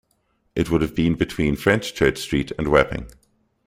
It would have been between Fenchurch Street and Wapping.